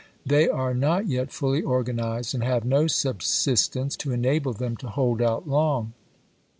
They are not yet fully organized, and have no sub sistence to enable them to hold out long.